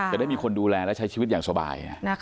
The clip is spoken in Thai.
จะได้มีคนดูแลและใช้ชีวิตอย่างสบาย